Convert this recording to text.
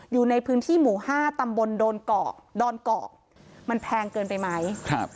อยู่ในพื้นที่หมู่ห้าตำบลดอนเกาะดอนเกาะมันแพงเกินไปไหมครับ